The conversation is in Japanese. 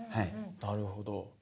なるほど。